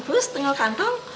terus tengah kantong